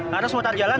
harus mutar jalan